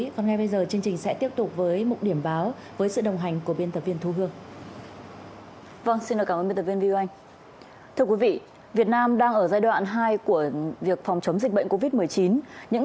còn ngay bây giờ chương trình sẽ tiếp tục với một điểm báo với sự đồng hành của biên tập viên thu hương